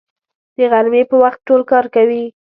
د غرمې په وخت ټول کار کوي